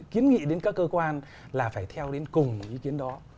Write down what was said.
kiến nghị đến các cơ quan là phải theo đến cùng một ý kiến đó